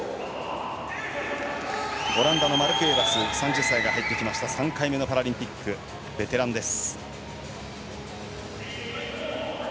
オランダのマルク・エーバス入ってきました、３回目のパラリンピック、ベテランです。